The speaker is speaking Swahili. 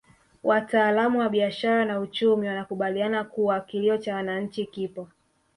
Wataalamu wa biashara na uchumi wanakubaliana kuwa kilio cha wananchi kipo